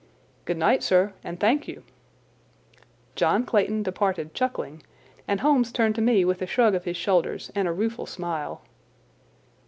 "Good night, sir, and thank you!" John Clayton departed chuckling, and Holmes turned to me with a shrug of his shoulders and a rueful smile.